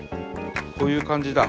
こういう感じだ。